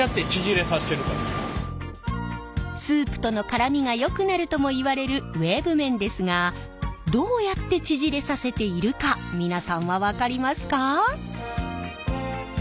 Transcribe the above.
スープとのからみがよくなるともいわれるウェーブ麺ですがどうやって縮れさせているか皆さんは分かりますか？